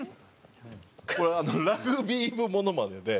これラグビー部モノマネで。